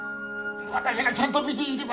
私がちゃんと診ていれば。